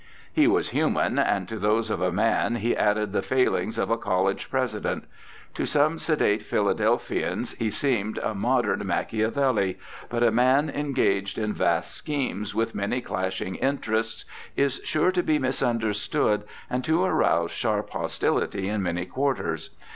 He was human, and to those of a man he added the failings of a college president. To some sedate Phila delphians he seemed a modern Machiavelli, but a man engaged in vast schemes with many clashing interests is sure to be misunderstood, and to arouse sharp hostility in many quarters.